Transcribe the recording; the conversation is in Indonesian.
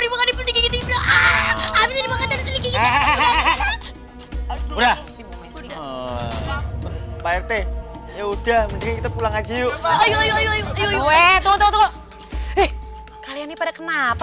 udah udah kita pulang aja yuk